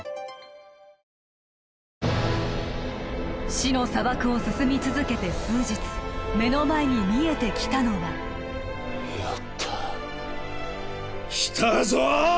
死の砂漠を進み続けて数日目の前に見えてきたのはやった来たぞ！